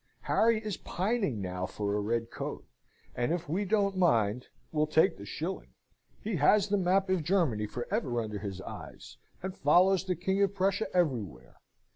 Harry is pining now for a red coat, and if we don't mind, will take the shilling. He has the map of Germany for ever under his eyes, and follows the King of Prussia everywhere.